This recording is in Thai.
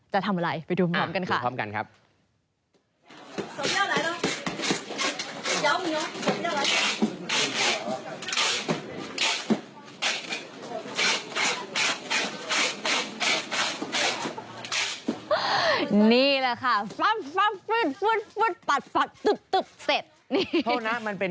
เหรอฮะ